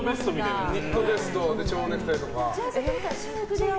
ニットベストで蝶ネクタイとか。